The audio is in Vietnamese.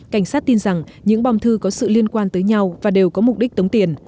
cảnh sát tin rằng những bom thư có sự liên quan tới nhau và đều có mục đích tống tiền